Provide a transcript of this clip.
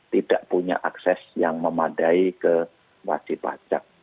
tidak punya akses yang memadai ke wajib pajak